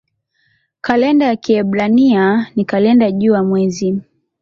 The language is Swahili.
Kalenda ya Kiebrania ni kalenda jua-mwezi.